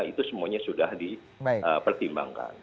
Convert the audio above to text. itu semuanya sudah dipertimbangkan